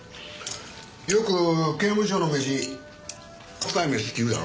よく刑務所の飯臭い飯って言うだろ？